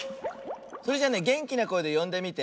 それじゃあねげんきなこえでよんでみて。